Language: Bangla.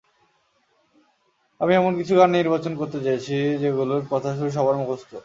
আমি এমন কিছু গান নির্বাচন করতে চেয়েছি, যেগুলোর কথা-সুর সবার মুখস্থ।